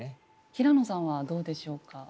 平野さんはどうでしょうか。